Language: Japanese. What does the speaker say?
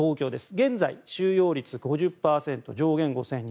現在、収容率５０％上限５０００人